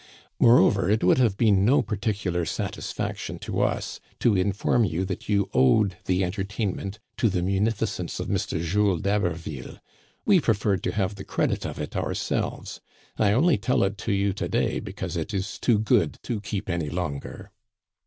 Moreover, it would have been no partic ular satisfaction to us to inform you that you owed the entertainment to the munificence of Mr. Jules d'Haber ville ; we preferred to have the credit of it ourselves. I only tell it to you to day because it is too good to keep any longer."